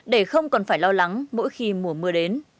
để không còn phải lo lắng mỗi khi mùa mưa đến